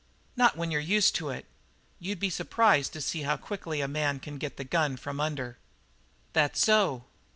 "Not when you're used to it. You'd be surprised to see how quickly a man can get the gun out from under." "That so?"